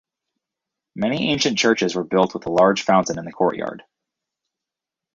Many ancient churches were built with a large fountain in the courtyard.